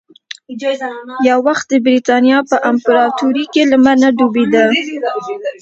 یو وخت د برېتانیا په امپراتورۍ کې لمر نه ډوبېده.